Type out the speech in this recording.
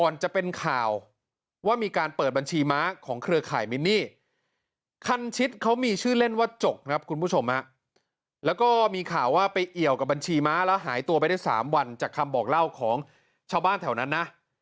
แล้วก็มีข่าวว่าไปเอี่ยวกับบัญชีม้าแล้วหายตัวไปได้๓วันจากคำบอกเล่าของชาวบ้านแถวนั้นนะ